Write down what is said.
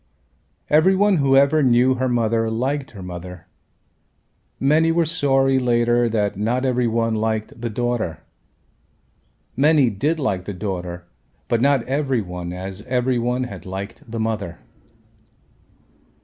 Every one who ever knew her mother liked her mother. Many were sorry later that not every one liked the daughter. Many did like the daughter but not every one as every one had liked the mother.